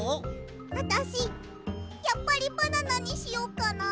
あたしやっぱりバナナにしよっかな。